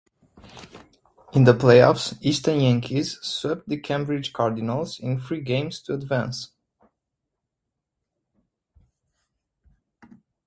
In the Playoffs Easton Yankees swept the Cambridge Cardinals in three games to advance.